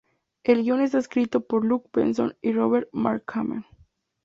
El guion está escrito por Luc Besson y Robert Mark Kamen.